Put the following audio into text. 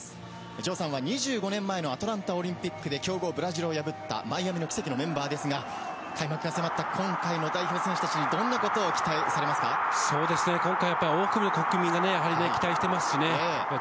城さんは２５年前のアトランタオリンピックで強豪、ブラジルを破ったマイアミの奇跡のメンバーですが、開幕が迫った今回の代表選手たちに、どんなことを期待されますか？